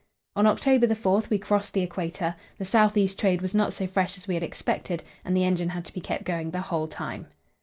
On October 4 we crossed the Equator. The south east trade was not so fresh as we had expected, and the engine had to be kept going the whole time.